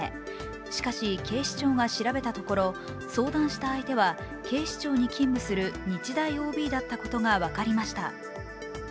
しかし警視庁が調べたところ、相談した相手は、警視庁に勤務する日大ＯＢだったことが分かりました。